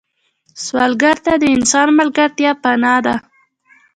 سوالګر ته د انسان ملګرتیا پناه ده